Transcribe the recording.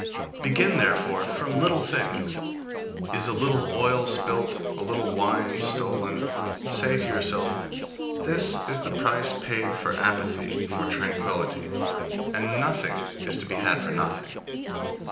Begin therefore from little things. Is a little oil spilt? A little wine stolen? Say to yourself, "This is the price paid for equanimity, for tranquillity, and nothing is to be had for nothing."